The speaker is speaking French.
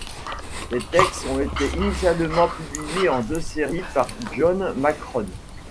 Les textes ont été initialement publiés en deux séries par John Macrone.